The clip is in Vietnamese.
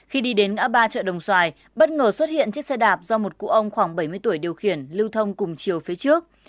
khi đi đến ngã ba chợ đồng xoài bất ngờ xuất hiện chiếc xe đạp do một cụ ông khoảng bảy mươi tuổi điều khiển lưu thông cùng chiều phía trước